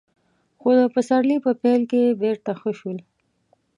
خو د پسرلي په پيل کې بېرته ښه شول.